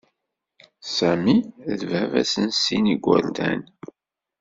Sami d baba-s n sin n yigerdan.